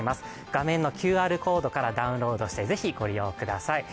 画面のＱＲコードからダウンロードして、ぜひご利用ください。